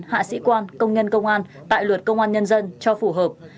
hạ sĩ quan công nhân công an tại luật công an nhân dân cho phù hợp